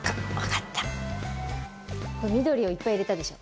緑をいっぱい入れたでしょ？